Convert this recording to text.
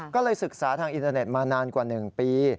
ก็เลยศึกษาทางอินเทอร์เน็ตมานานกว่า๑ปี